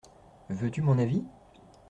Veux-tu mon avis ?…